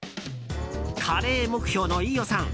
カレー目標の飯尾さん。